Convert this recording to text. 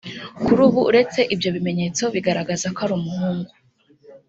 Kuri ubu uretse ibyo bimenyetso bigaragaza ko ari umuhungu